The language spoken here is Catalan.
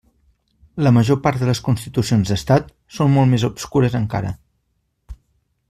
La major part de les constitucions d'estat són molt més obscures encara.